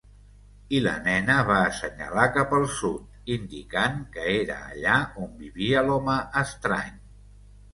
I la nena va assenyalar cap al sud, indicant que era allà on vivia l'home estrany.